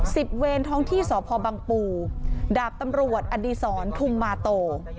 เวรท้องที่สพบังปูดาบตำรวจอดีศรทุมมาโต